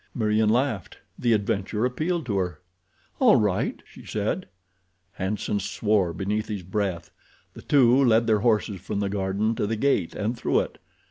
Meriem laughed. The adventure appealed to her. "All right," she said. Hanson swore beneath his breath. The two led their horses from the garden to the gate and through it.